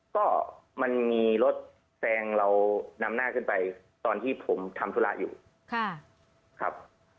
ก็มันมีรถแซงเรานำหน้าขึ้นไปตอนที่ผมทำธุระอยู่ครับ